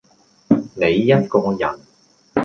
你一個人，